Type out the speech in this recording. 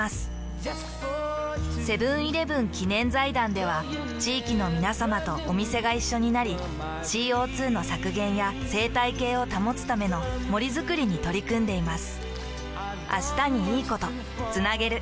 セブンーイレブン記念財団では地域のみなさまとお店が一緒になり ＣＯ２ の削減や生態系を保つための森づくりに取り組んでいます。